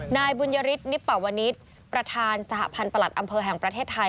นายบุญยฤทธนิปวนิษฐ์ประธานสหพันธ์ประหลัดอำเภอแห่งประเทศไทย